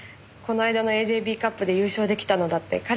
この間のＡＪＢカップで優勝出来たのだって